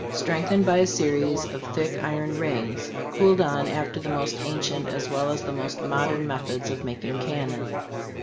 strengthened by a series of thick iron rings, cooled on after the most ancient as well as the most modern methods of making cannon.